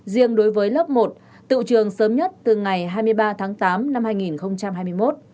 riêng đối với lớp một tự trường sớm nhất từ ngày hai mươi ba tháng tám năm hai nghìn hai mươi một